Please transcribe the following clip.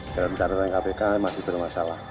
dalam catatan kpk masih bermasalah